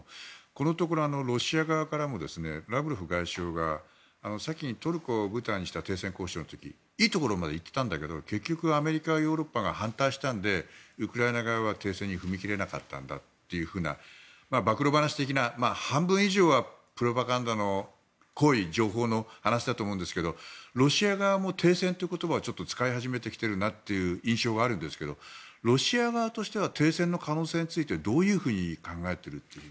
このところロシア側からもラブロフ外相が先のトルコを舞台にした停戦交渉の時いいところまでいってたんだけど結局アメリカやヨーロッパが反対したのでウクライナ側は停戦に踏み切れなかったんだという暴露話的な半分以上はプロパガンダの濃い情報の話だと思うんですけどロシア側も停戦という言葉を使い始めてきているなという印象があるんですけどロシア側としては停戦の可能性についてどういうふうに考えていると。